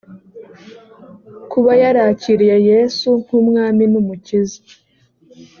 kuba yarakiriye yesu nk umwami n umukiza